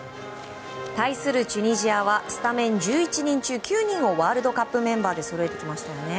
対するチュニジアはスタメン１１人中９人をワールドカップメンバーでそろえてきましたよね。